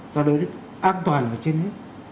do đó ác toàn ở trên hết